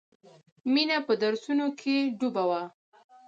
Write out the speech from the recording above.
مینه په درسونو کې ډوبه وه